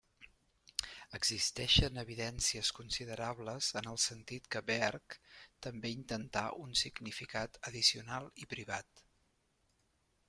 Existeixen evidències considerables en el sentit que Berg també intentà un significat addicional i privat.